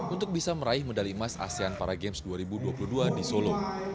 untuk bisa meraih medali emas asean para games dua ribu dua puluh dua di solo